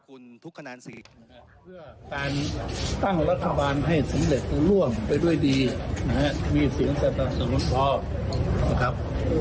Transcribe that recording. อันนี้เป็นความคิดเห็นส่วนตัวนะครับ